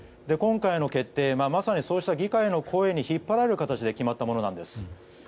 今回の決定はまさにそうした議会の声に引っ張られる形で決まったものなんです。